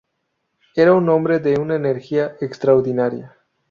Era un hombre de una energía extraordinaria.